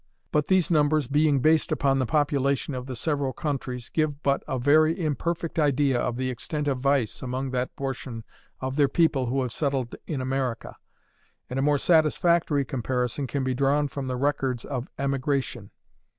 But these numbers, being based upon the population of the several countries, give but a very imperfect idea of the extent of vice among that portion of their people who have settled in America, and a more satisfactory comparison can be drawn from the records of emigration.